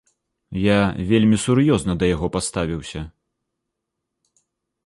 Я вельмі сур'ёзна да яго паставіўся.